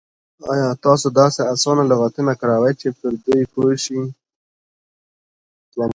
ایا تاسې اسانه لغتونه کاروئ چې دوی پرې پوه شي؟